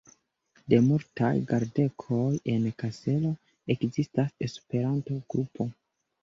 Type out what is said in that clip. De multaj jardekoj en Kaselo ekzistas Esperanto-grupo.